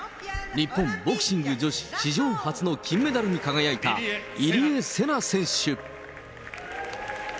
日本ボクシング女子史上初の金メダルに輝いた入江聖奈選手。